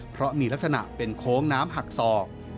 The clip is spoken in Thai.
เพราะมีลักษณะเป็นโค้งน้ำหักศอก